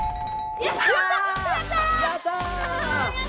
やった！